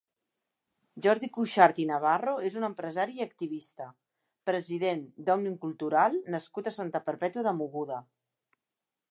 Jordi Cuixart i Navarro és un empresari i activista, president d'Òmnium Cultural nascut a Santa Perpètua de Mogoda.